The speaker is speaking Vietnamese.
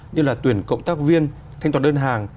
như là tuyển cộng tác viên thanh toán đơn hàng